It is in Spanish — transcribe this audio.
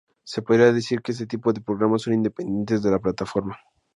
Se podría decir que este tipo de programas son independientes de la plataforma.